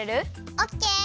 オッケー。